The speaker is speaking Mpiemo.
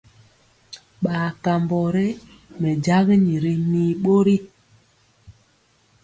Bar kambɔ ré mɛjagini ri mir bori.